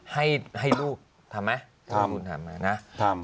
ให้ลูกทำไหมโทษคุณคุณมานะนะทำทำ